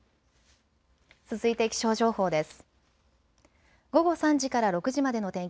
続いて気象情報です。